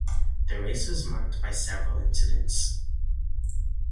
The race was marked by several incidents.